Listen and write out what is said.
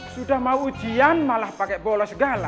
sudah mau ujian malah pakai bola segala